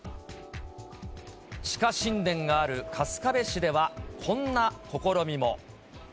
地下神殿がある春日部市では、こんな試みも。